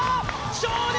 少年